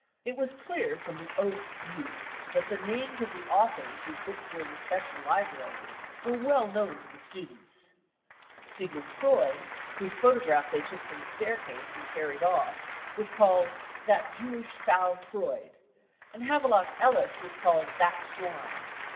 It was clear from the oaths used that the names of the authors whose books were in the special library were well known to the l68 BROWN BOOK OF THE HITLER TERROR students. Siegmund Freud, whose'^photograph they took from the staircase and carried off, was called 4 that Jewish sow Freud '; and Havelock Ellis was called e that swine.